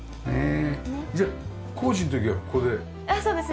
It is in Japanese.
じゃあ工事の時はここで。